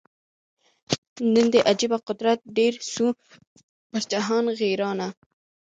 نن دي عجبه قدر ډېر سو پر جهان غیرانه